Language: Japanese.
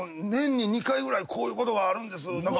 「年に２回ぐらいこういうことがあるんです」